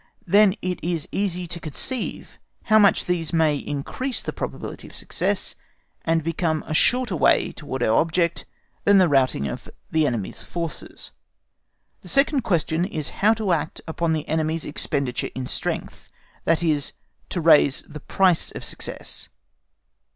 then it is easy to conceive how much these may increase the probability of success, and become a shorter way towards our object than the routing of the enemy's forces. The second question is how to act upon the enemy's expenditure in strength, that is, to raise the price of success.